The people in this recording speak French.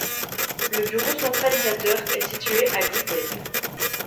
Le bureau centralisateur est situé à Guidel.